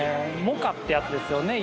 モカってやつですよね